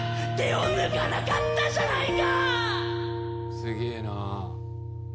「すげえな！」